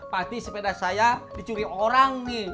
pasti sepeda saya dicuri orang nih